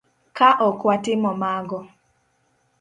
Ka ok watimo mago